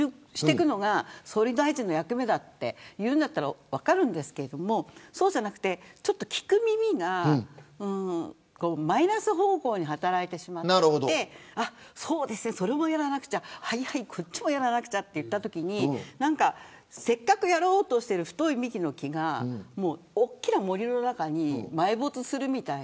一つずつタックルしていくのが総理大臣の役目だというのは分かるんですけどそうじゃなくて聞く耳がマイナス方向に働いてしまってそれもやらなきゃこっちもやらなきゃというときにせっかくやろうとしている太い幹の木が、大きな森の中に埋没するみたいな。